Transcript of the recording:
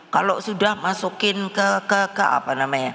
kalau sudah masukin ke ke apa namanya